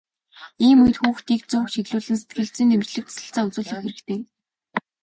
Ийм үед хүүхдийг зөв чиглүүлэн сэтгэл зүйн дэмжлэг туслалцаа үзүүлэх хэрэгтэй.